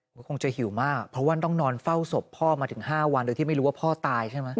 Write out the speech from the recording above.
ก็คงจะหิวมากเพราะว่าต้องนอนเฝ้าศพพ่อมาถึง๕วันโดยที่ไม่รู้ว่าพ่อตายใช่ไหม